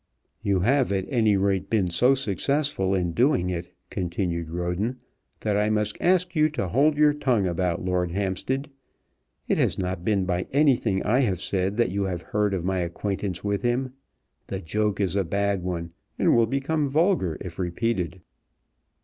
"You have, at any rate, been so successful in doing it," continued Roden, "that I must ask you to hold your tongue about Lord Hampstead. It has not been by anything I have said that you have heard of my acquaintance with him. The joke is a bad one, and will become vulgar if repeated."